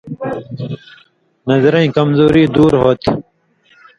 نظرَیں کمزُوری دُور ہوتھی۔